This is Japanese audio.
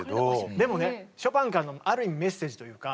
でもねショパンからのある意味メッセージというか。